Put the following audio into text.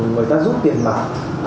người ta rút tiền bạc